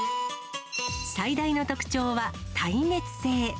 最大の特徴は耐熱性。